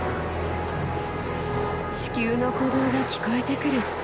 地球の鼓動が聞こえてくる。